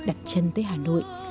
đặt chân tới hà nội